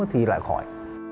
thì lại khỏi